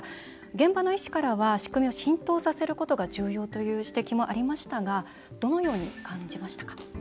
現場の医師からは仕組みを浸透させることが重要とありましたがどのように感じましたか？